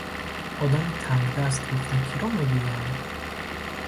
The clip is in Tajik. Одами тангдаст гуфта киро мегӯянд?